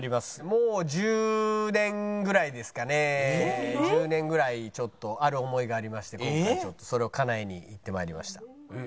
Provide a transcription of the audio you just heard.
もう１０年ぐらいちょっとある思いがありまして今回ちょっとそれをかなえに行って参りました。